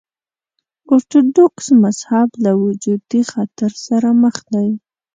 ارتوډوکس مذهب له وجودي خطر سره مخ دی.